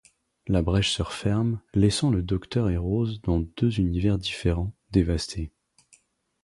La brèche se referme, laissant le Docteur et Rose dans deux univers différents, dévastés.